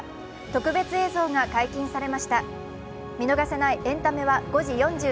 特別映像が解禁されました。